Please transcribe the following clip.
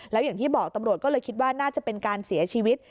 แล้วอย่างที่บอกตำรวจก็เลยคิดว่าน่าจะเป็นการเสียชีวิต